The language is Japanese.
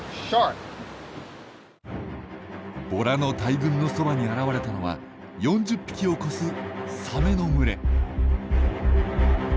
ボラの大群のそばに現れたのは４０匹を超すサメの群れ。